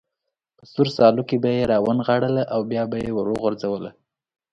په سور سالو کې به یې را ونغاړله او بیا به یې وروغورځوله.